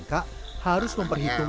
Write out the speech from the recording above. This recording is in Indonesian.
kaki beli gasing